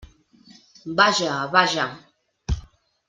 Vaja, vaja!